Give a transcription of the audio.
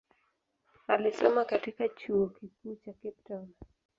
Alisoma katika chuo kikuu cha Cape Town.